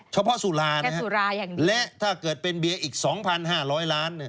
แค่สุราอย่างนี้นะฮะและถ้าเกิดเป็นเบียร์อีก๒๕๐๐ล้านเนี่ย